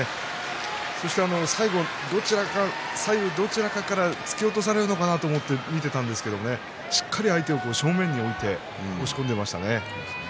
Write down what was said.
そして最後、左右どちらかから突き落とされるのかなと見ていましたがしっかり相手を正面に置いて押し込んでいきました。